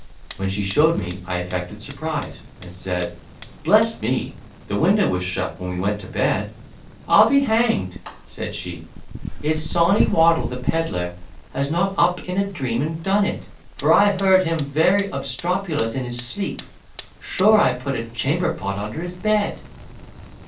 When she showed me, I affected surprise, and said, "Bless me! the window was shut when we went to bed." "I'll be hanged," said she, "if Sawney Waddle, the pedlar, has not got up in a dream and done it, for I heard him very obstropulous in his sleep.—Sure I put a chamberpot under his bed!"